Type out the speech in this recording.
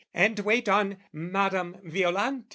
"And wait on Madam Violante."